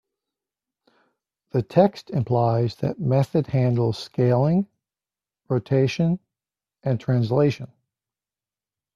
The text implies that method handles scaling, rotation, and translation.